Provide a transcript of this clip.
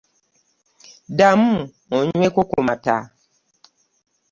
Ddamu onnyweko ku mata.